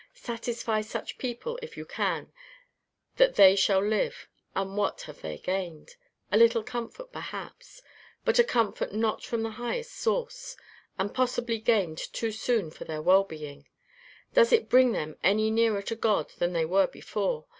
Satisfy such people, if you can, that they shall live, and what have they gained? A little comfort perhaps but a comfort not from the highest source, and possibly gained too soon for their well being. Does it bring them any nearer to God than they were before?